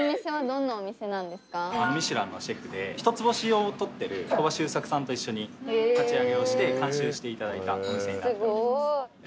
『ミシュラン』のシェフで一つ星を取ってる鳥羽周作さんと一緒に立ち上げをして監修していただいたお店になります。